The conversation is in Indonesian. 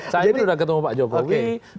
cahimin sudah ketemu pak jokowi